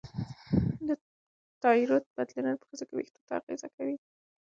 د تایروییډ بدلونونه په ښځو کې وېښتو ته اغېزه کوي.